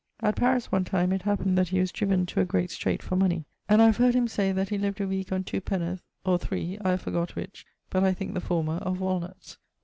At Paris, one time, it happened that he was driven to a great streight for money, and I have heard him say, that he lived a weeke on two peniworth (or 3, I have forgott which, but I thinke the former) of walnutts.